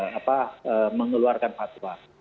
dan mengeluarkan fatwa